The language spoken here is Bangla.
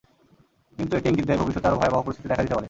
কিন্তু এটি ইঙ্গিত দেয়, ভবিষ্যতে আরও ভয়াবহ পরিস্থিতি দেখা দিতে পারে।